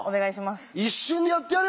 一瞬でやってやるよ